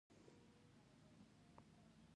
تندر د طوفان ښکلا ده.